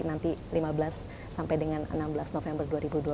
nanti lima belas sampai dengan enam belas november dua ribu dua puluh